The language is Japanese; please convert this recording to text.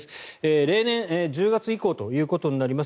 例年、１０月以降ということになります。